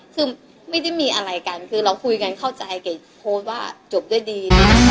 คือไม่ได้มีอะไรกันคือเราคุยกันเข้าใจแกโพสต์ว่าจบด้วยดี